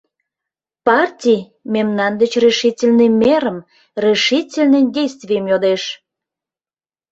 Партий мемнан деч решительный мерым, решительный действийым йодеш!